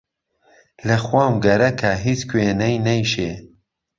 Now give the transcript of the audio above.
له خوام گهرهکه، هیچکوێنهی نهیشێ